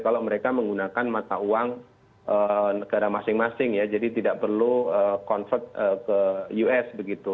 kalau mereka menggunakan mata uang negara masing masing ya jadi tidak perlu convert ke us begitu